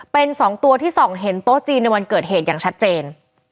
เป็น๒ตัวที่ส่องเห็นโต๊ะจีนในวันเกิดเหตุอย่างชัดเจน